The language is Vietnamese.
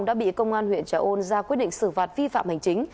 đã bị công an huyện trà ôn ra quyết định xử phạt vi phạm hành chính